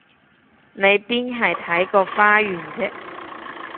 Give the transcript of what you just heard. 你邊係睇個花園啫？